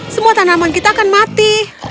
semua tanaman kita akan mati